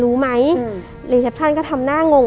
รู้ไหมรีเทปชั่นก็ทำหน้างง